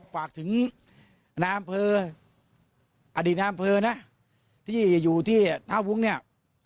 ฝากถึงนายอำเภออดีตนายอำเภอนะที่อยู่ที่ท่าวุ้งเนี่ย